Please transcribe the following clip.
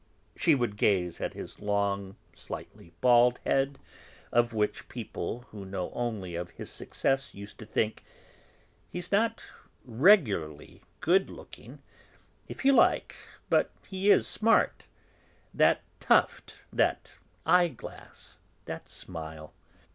she would gaze at his long, slightly bald head, of which people who know only of his successes used to think: "He's not regularly good looking, if you like, but he is smart; that tuft, that eyeglass, that smile!"